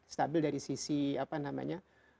stabil dari sisi apa namanya